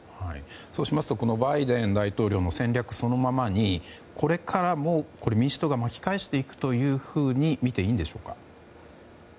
そうしますとバイデン大統領の戦略そのままにこれからも、民主党が巻き返していくというふうに見ていいんでしょうか？